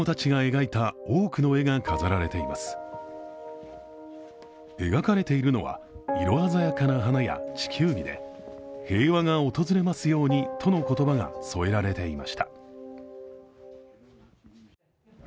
描かれているのは、色鮮やかな花や地球儀で「平和が訪れますように」との言葉が添えられていました。